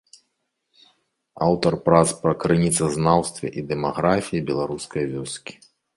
Аўтар прац па крыніцазнаўстве і дэмаграфіі беларускай вёскі.